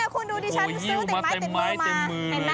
ก็นี่ไงคุณดูดิฉันซื้อเต็มไม้เต็มมือมา